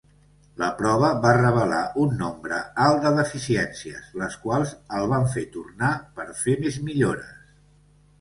La prova va revelar un nombre alt de deficiències, les quals el van fer tornar per fer més millores.